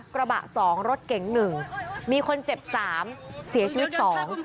กระบะสองรถเก๋งหนึ่งมีคนเจ็บสามเสียชีวิตสอง